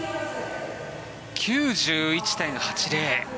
９１．８０。